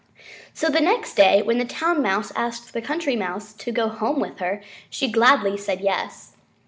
So the next day when the Town Mouse asked the Country Mouse to go home with her to the city, she gladly said yes.